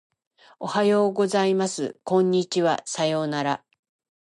おはようございます。こんにちは。さようなら。